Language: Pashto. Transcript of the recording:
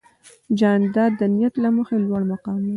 جانداد د نیت له مخې لوړ مقام لري.